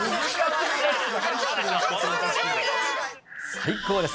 最高です。